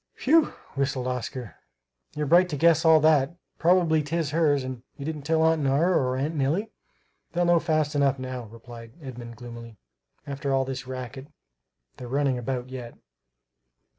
"Whew!" whistled Oscar. "You're bright to guess all that; probably 'tis hers. And you didn't tell Aunt Nora or Aunt Nellie?" "They'll know fast enough now," replied Edmund gloomily, "after all this racket they're running about yet!"